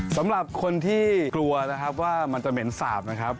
สำหรับคนที่กลัวนะครับว่ามันจะเหม็นสาบนะครับ